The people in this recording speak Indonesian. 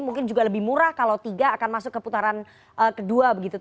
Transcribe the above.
mungkin juga lebih murah kalau tiga akan masuk ke putaran kedua begitu